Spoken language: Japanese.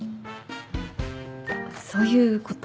そういうこと。